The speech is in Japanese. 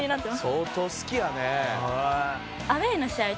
相当好きやね。